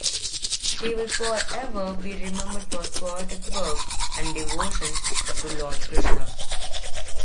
He will forever be remembered for his poetic works and devotion to Lord Krishna.